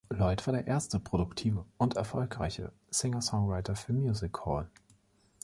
Lloyd war der erste produktive und erfolgreiche Singer-Songwriter für Music Hall.